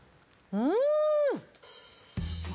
うん！